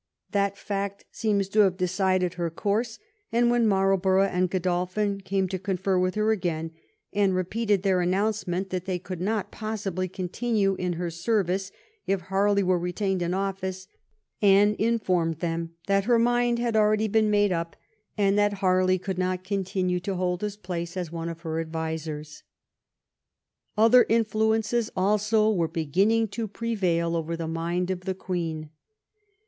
That fact seems to have decided her course, and when Marlborough and GK>dolphin came to confer with her again and repeated their announcement that they could not possibly continue in her service if Har ley were retained in office, Anne informed them that her mind had already been made up and that Harley could not continue to hold his place as one of her advisers. Other influences also were beginning to prevail over the mind of the Queen.